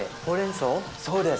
そうです。